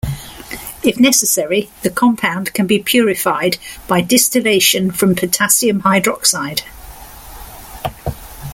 If necessary, the compound can be purified by distillation from potassium hydroxide.